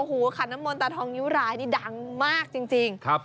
ขณะน้ำมนต์ตาทองเงี้ยวรายเนี่ยดังมากจริง